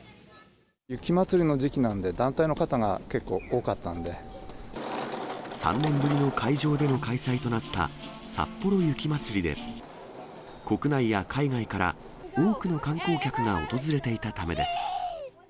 雪まつりの時期なんで、３年ぶりの会場での開催となったさっぽろ雪まつりで、国内や海外から多くの観光客が訪れていたためです。